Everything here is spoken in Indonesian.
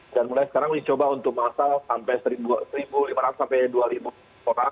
dan mulai sekarang dicoba untuk masalah sampai seribu seribu lima ratus sampai dua ribu orang